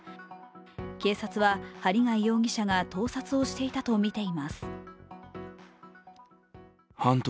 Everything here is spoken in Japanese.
警察は針谷容疑者が盗撮をしていたとみています。